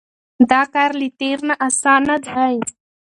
دا کار له تېر نه اسانه دی.